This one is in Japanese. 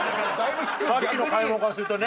さっきの買い物からするとね。